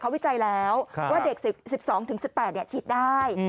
วิจัยแล้วว่าเด็ก๑๒๑๘ฉีดได้